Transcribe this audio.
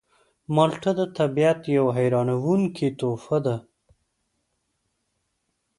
مالټه د طبیعت یوه حیرانوونکې تحفه ده.